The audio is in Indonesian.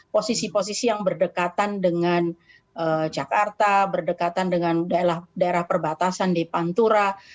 posisi posisi yang berdekatan dengan jakarta berdekatan dengan daerah perbatasan di pantura